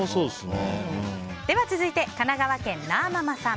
続いて、神奈川県の方。